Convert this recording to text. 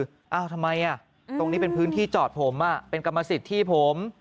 เอ้าทำไมตรงนี้เป็นพื้นที่จอดผมเป็นกรรมสิทธิ์ที่ผม